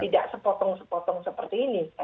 tidak sepotong sepotong seperti ini